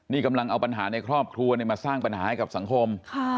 นี่กำลังเอาปัญหาในครอบครัวมาสร้างปัญหาให้กับสังคม